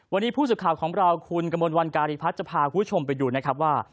วันนี้ผู้สื่อข่าวของเราคุณกระมวลวันการีพัฒน์จะพาคุณผู้ชมไปดูนะครับว่า